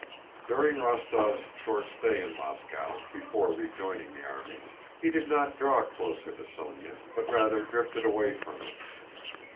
During Rostóv's short stay in Moscow, before rejoining the army, he did not draw closer to Sónya, but rather drifted away from her.